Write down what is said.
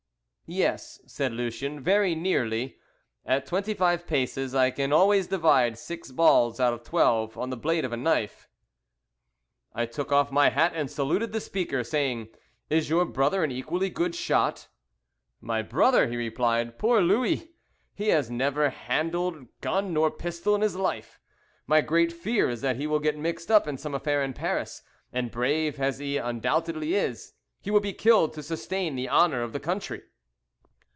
"Yes," said Lucien, "very nearly. At twenty five paces I can always divide six balls out of twelve on the blade of a knife." I took off my hat and saluted the speaker, saying, "Is your brother an equally good shot?" "My brother?" he replied. "Poor Louis! he has never handled gun nor pistol in his life. My great fear is that he will get mixed up in some affair in Paris, and, brave as he undoubtedly is, he will be killed to sustain the honour of the country."